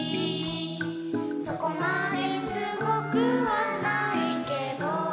「そこまですごくはないけど」